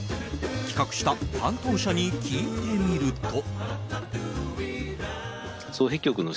企画した担当者に聞いてみると。